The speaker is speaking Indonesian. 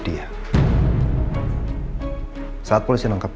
berkata attempting nangkap